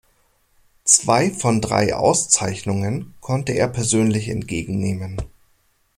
Zwei von drei Auszeichnungen konnte er persönlich entgegennehmen.